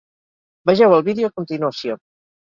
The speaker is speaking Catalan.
Vegeu el vídeo a continuació.